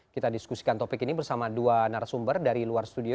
kita diskusikan topik ini bersama dua narasumber dari luar studio